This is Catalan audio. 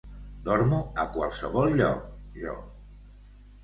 Dormo a qualsevol lloc, jo.